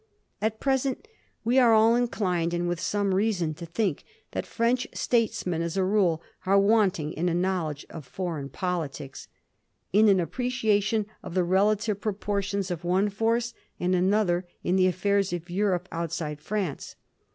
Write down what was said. At present we are all inclined, and with some reason, to think that French statesmen, as a rule, are want ing in a knowledge of foreign politics — ^in an appre ciation of the relative proportions of one force and another in the affairs of Europe outside France.